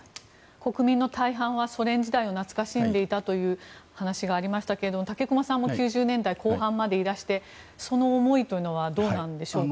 国民の大半はソ連時代を懐かしんでいたという話がありましたけれども武隈さんも９０年代後半までいらしてその思いというのはどうなんでしょうか。